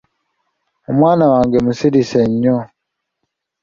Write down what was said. Omwana wange musirise nnyo.